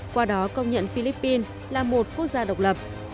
qua đó công nhận philippines là một quốc gia độc lập